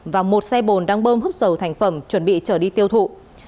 và một xe bồn đang bơm hút dầu thành phẩm chuẩn bị trở đi tiêu thụ